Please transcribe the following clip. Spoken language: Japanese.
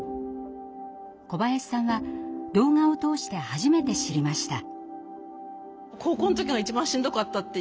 小林さんは動画を通して初めて知りました。